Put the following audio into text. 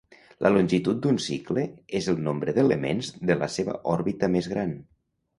La longitud d'un cicle és el nombre d'elements de la seva òrbita més gran.